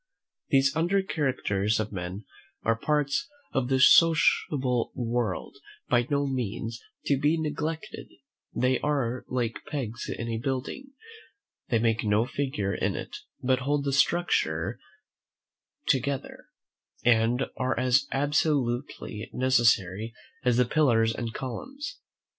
These under characters of men are parts of the sociable world by no means to be neglected: they are like pegs in a building; they make no figure in it, but hold the structure together, and are as absolutely necessary as the pillars and columns.